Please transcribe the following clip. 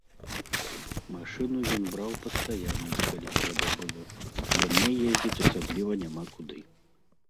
Машыну ён браў пастаянна, калі трэба было, бо мне ездзіць асабліва няма куды.